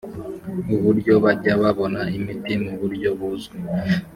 uburyo bajya babona imiti mu buryo buzwi